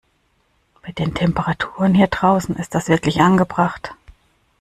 Bei den Temperaturen hier draußen ist das wirklich angebracht.